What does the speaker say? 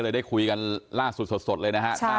ได้ได้ถูกกล่าวอ้างถึงด้วยนะคะ